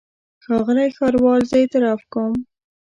ښاغلی ښاروال زه اعتراف کوم.